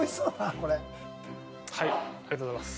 これはいありがとうございます